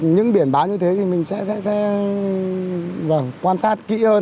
những biển báo như thế thì mình sẽ quan sát kỹ hơn